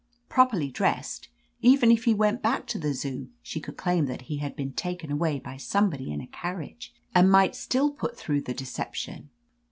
Properly dressed, even if he went back to the Zoo, she could claim that he had been taken away by somebody in a carriage, and might still put through the deception.